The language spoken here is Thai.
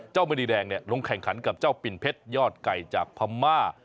มณีแดงลงแข่งขันกับเจ้าปิ่นเพชรยอดไก่จากพม่า